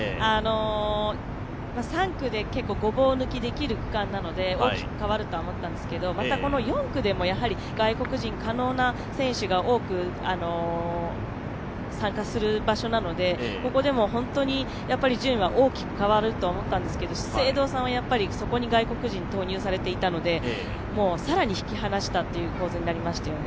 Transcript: ３区ってごぼう抜きできる区間なので大きく変わるとは思ったんですけどまたこの４区でも外国人可能な選手が多く参加する場所なのでここでも順位は大きく変わると思ったんですが、資生堂さんはそこに外国人を投入されていたので更に引き離したという構図になりましたよね。